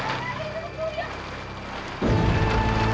kami sudah merampok semua uang tukang sampah itu